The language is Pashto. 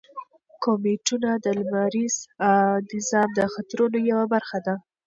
کومیټونه د لمریز نظام د خطرونو یوه برخه ده.